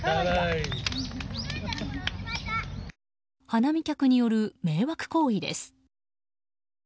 花見客による迷惑行為です。